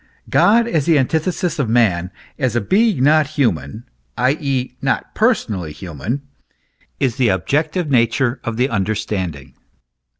God as the antithesis of man, as a being not human, i.e., not personally human, is the objective nature of the understanding.